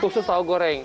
khusus tahu goreng